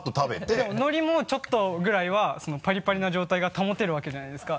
でも海苔もちょっとぐらいはそのパリパリな状態が保てるわけじゃないですか。